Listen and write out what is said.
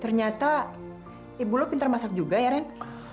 ternyata ibu lo pintar masak juga ya ren